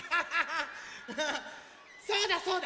そうだそうだ！